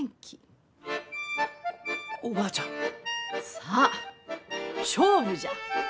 さあ勝負じゃ！